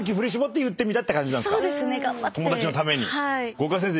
五箇先生